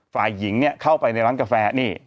ฝ่ายหญิงเข้าไปในร้านกาแฟนี่